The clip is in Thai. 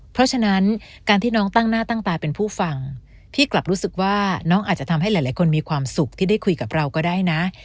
เพราะฉะนั้นการที่น้องตั้งหน้าตั้งตาเป็นผู้ฟังพี่กลับรู้สึกว่าน้องอาจจะทำให้หลายคนมีความสุขที่ได้คุยกับเราก็ได้นะ